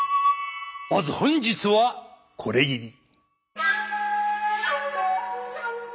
まず本日はこれぎり。